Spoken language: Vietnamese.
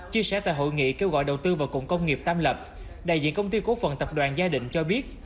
chia sẻ tại hội nghị kêu gọi đầu tư vào cụm công nghiệp tam lập đại diện công ty cổ phần tập đoàn gia đình cho biết